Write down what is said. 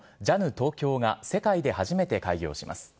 東京が世界で初めて開業します。